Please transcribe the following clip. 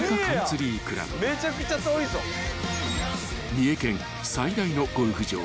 ［三重県最大のゴルフ場］